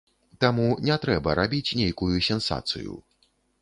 Таму не трэба рабіць нейкую сенсацыю.